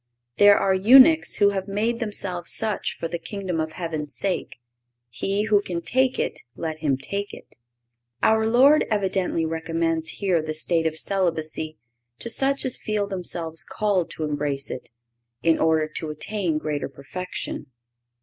"There are eunuchs who have made themselves such for the Kingdom of Heaven's sake. He who can take it, let him take it."(515) Our Lord evidently recommends here the state of celibacy to such as feel themselves called to embrace it, in order to attain greater perfection.